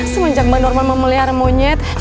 semenjak bang norman memelihara monyet